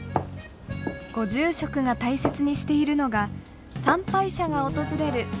ご住職が大切にしているのが参拝者が訪れる